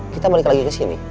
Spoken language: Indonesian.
kita balik lagi ke sini